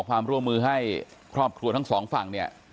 ความร่วมมือให้ครอบครัวทั้งสองฝั่งเนี่ย